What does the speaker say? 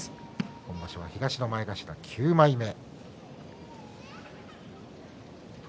今場所は東の前頭９枚目。